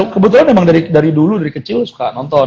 kebetulan emang dari dulu dari kecil suka nonton